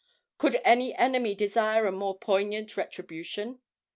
Could any enemy desire a more poignant retribution?